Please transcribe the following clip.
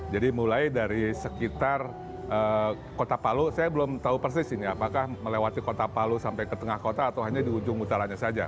jadi mulai dari sekitar kota palu saya belum tahu persis ini apakah melewati kota palu sampai ke tengah kota atau hanya di ujung utaranya saja